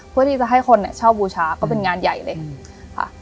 เพื่อที่จะให้คนเช่าบูชาก็เป็นงานใหญ่เลยค่ะ